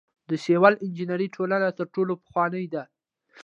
د سیول انجنیری ټولنه تر ټولو پخوانۍ ده.